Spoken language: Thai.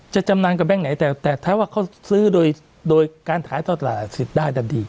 จะจำนำกับแบงค์ไหนแต่ถ้าว่าเขาซื้อโดยโดยการหาทอดตลาดสิทธิ์ได้ทันที